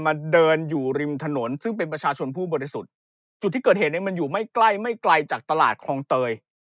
มาเดินอยู่ริมถนนซึ่งเป็นประชาชนผู้บริสุทธิ์จุดที่เกิดเหตุเนี่ยมันอยู่ไม่ใกล้ไม่ไกลจากตลาดคลองเตย